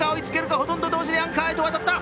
ほとんど同時にアンカーへと渡った。